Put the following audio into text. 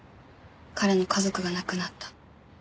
彼の家族が亡くなった。